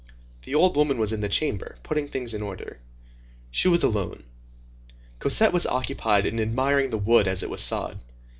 The old woman was in the chamber, putting things in order. She was alone. Cosette was occupied in admiring the wood as it was sawed.